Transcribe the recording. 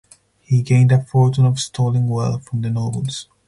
He gained a fortune of stolen wealth from the nobles.